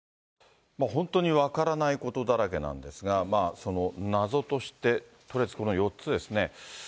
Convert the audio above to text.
本当に分からないことだらけなんですが、その謎として、とりあえずこの４つですね。